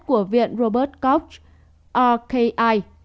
của viện robert koch rki